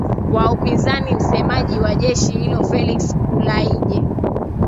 wa upinzani msemaji wa jeshi hilo felix kulaije